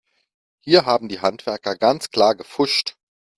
Hier haben die Handwerker ganz klar gepfuscht.